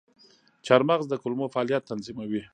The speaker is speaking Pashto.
چارمغز د کولمو فعالیت تنظیموي.